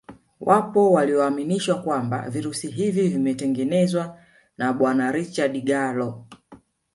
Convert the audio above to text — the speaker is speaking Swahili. Wapo walioaminishwa kwamba virusi hivi vimetengenezwa na Bwana Richard Gallo